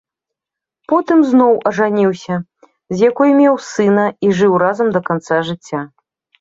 Потым зноў ажаніўся, з якой меў сына і жыў разам да канца жыцця.